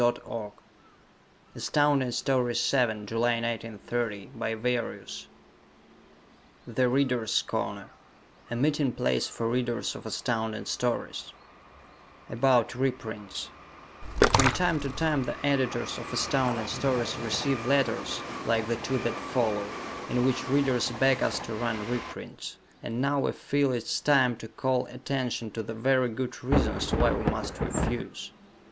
(To be concluded in the next issue.) [Illustration: The Readers' Corner A Meeting Place for Readers of Astounding Stories] About Reprints From time to time the Editors of Astounding Stories receive letters, like the two that follow, in which Readers beg us to run reprints, and now we feel it is time to call attention to the very good reasons why we must refuse.